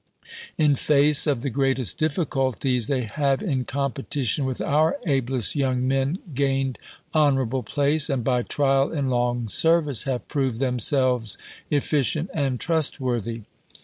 In face of the greatest difficulties they have in competition with our ablest young men gained honourable place, and by trial in long service have proved themselves efficient and trustworthy."